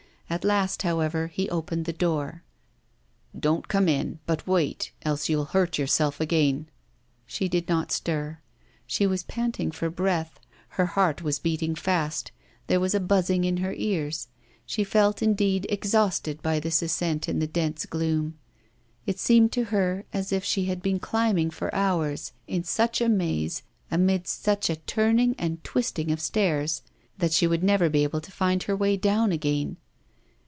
At last, however, he opened the door. 'Don't come in, but wait, else you'll hurt yourself again.' She did not stir. She was panting for breath, her heart was beating fast, there was a buzzing in her ears, and she felt indeed exhausted by that ascent in the dense gloom. It seemed to her as if she had been climbing for hours, in such a maze, amidst such a turning and twisting of stairs that she would never be able to find her way down again.